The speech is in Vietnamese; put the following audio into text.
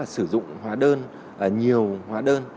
sử dụng hóa đơn nhiều hóa đơn